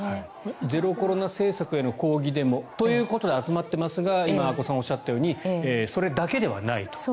ゼロコロナ政策への抗議デモということで集まっていますが今阿古さんがおっしゃったようにそれだけではないと。